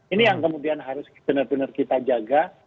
ini yang kemudian harus benar benar kita jaga